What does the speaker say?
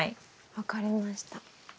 分かりました。